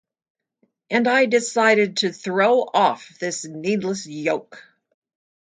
And I decided to throw off this needless yoke.